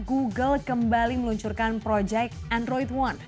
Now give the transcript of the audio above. google kembali meluncurkan proyek android one